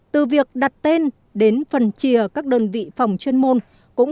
từ việc đặt tên đến phần chia các đơn vị phòng chuyên môn